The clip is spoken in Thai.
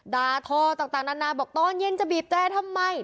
ดาทอต่างนานาบอกตอนเย็นจะบีบแตรทำไม